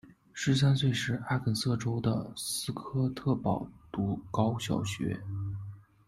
十三岁时阿肯色州的斯科特堡读高小学。